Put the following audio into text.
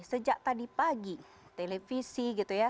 sejak tadi pagi televisi gitu ya